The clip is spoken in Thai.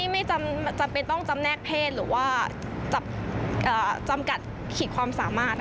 ไม่จำนวนตอบแนะเทศหรือว่าจำกัดขี่ความสามารถ